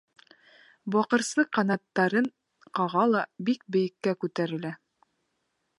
Баҡырсы ҡанаттарын ҡаға ла бик бейеккә күтәрелә.